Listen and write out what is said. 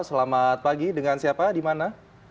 selamat pagi dengan siapa dimana